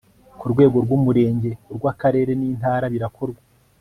ku rwego rw 'umurenge urw'akarere n' intara birakorwa